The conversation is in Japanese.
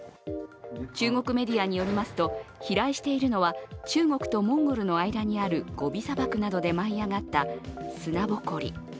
中国メディアによりますと飛来しているのは中国とモンゴルの間にあるゴビ砂漠などで舞い上がった砂ぼこり。